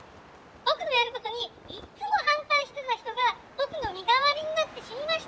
『僕のやることにいっつも反対してた人が僕の身代わりになって死にました。